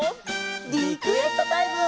リクエストタイム！